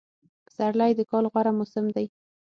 پسرلی دکال غوره موسم دی